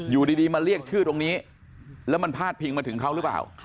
อยู่ดีมาเรียกชื่อตรงนี้แล้วมันพาดพิงมาถึงเขาหรือเปล่า